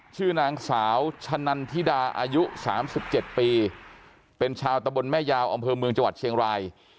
ชื่อนางสาวชะนันทิดาอายุ๓๗ปีเป็นชาวตะบนแม่ยาวอำเภอเมืองจังหวัดเชียงราย